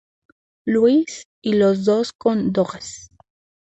Louis, y dos con los Dodgers.